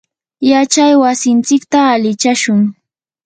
yachay wasinchikta alichashun.